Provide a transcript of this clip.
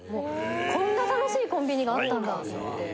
こんな楽しいコンビニがあったんだと思って。